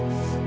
ya makasih ya